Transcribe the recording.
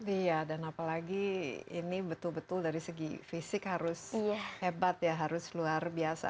iya dan apalagi ini betul betul dari segi fisik harus hebat ya harus luar biasa